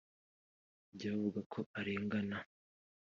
Abajya bavuga ko arengana